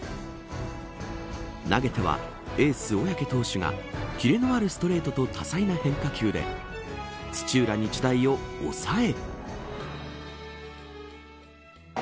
投げてはエース小宅投手がキレのあるストレートと多彩な変化球で土浦日大を抑え。